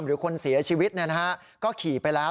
หรือคนเสียชีวิตก็ขี่ไปแล้ว